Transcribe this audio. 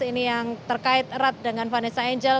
ini yang terkait erat dengan vanessa angel